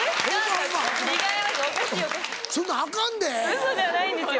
ウソじゃないんですよ。